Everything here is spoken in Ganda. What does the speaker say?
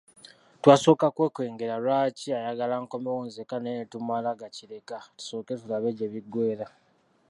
Twasooka kwekengera lwaki ayagala nkomewo nzekka naye ne tumala gakireka tusooke tulabe gye biggweera.